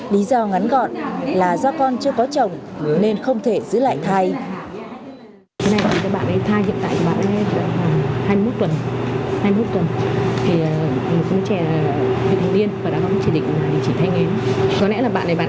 lý do ngắn gọn là do con chưa có chồng nên không thể giữ lại thai